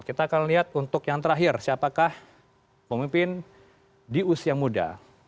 kita akan lihat untuk yang terakhir siapakah pemimpin di usia muda